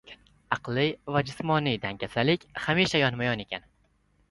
• Aqliy va jismoniy dangasalik hamisha yonma-yon ekan.